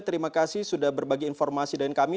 terima kasih sudah berbagi informasi dengan kami